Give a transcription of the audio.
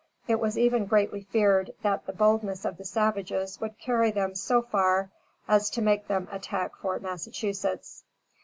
It was even greatly feared, that the boldness of the savages would carry them so far as to make them attack Fort Massachusetts.